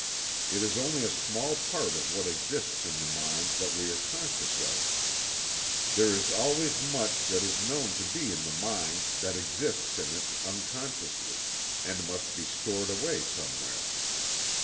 It is only a small part of what exists in the mind that we are conscious of. There is always much that is known to be in the mind that exists in it unconsciously, and must be stored away somewhere.